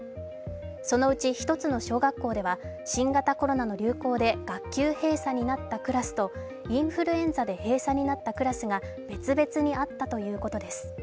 そのうち１つの小学校では新型コロナの流行で学級閉鎖になったクラスとインフルエンザで閉鎖になったクラスが別々にあったということです。